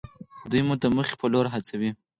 دوی مو د موخې په لور هڅوي.